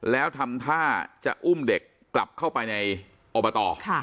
แล้วทำท่าจะอุ้มเด็กกลับเข้าไปในอบต